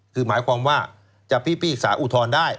คือหมายความว่าจะพิพิกษาอุทธรณ์ได้